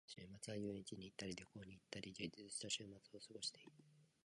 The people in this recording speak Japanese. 週末は遊園地に行ったり旅行に行ったり、充実した週末を過ごしている。